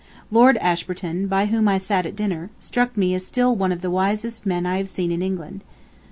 Lord Ashburton, by whom I sat at dinner, struck me as still one of the wisest men I have seen in England.